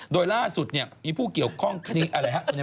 โดยล่าสุดมีผู้เกี่ยวข้องคณิคอะไรฮะอุณหมา